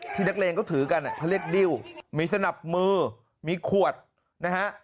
ที่นักเลงเขาถือกันเขาเรียกดิ้วมีสนับมือมีขวดนะฮะ